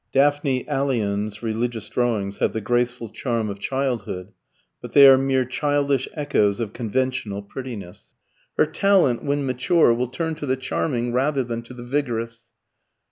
Daphne Alien's religious drawings have the graceful charm of childhood, but they are mere childish echoes of conventional prettiness. Her talent, when mature, will turn to the charming rather than to the vigorous.